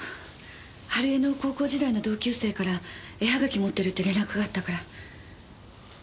春枝の高校時代の同級生から絵はがき持ってるって連絡があったから。